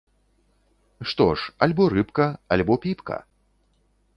Што ж, альбо рыбка, альбо піпка!